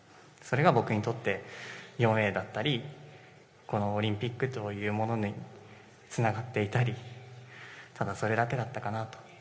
それが僕にとって４Ａだったり、このオリンピックというものにつながっていたりただそれだけだったかなと。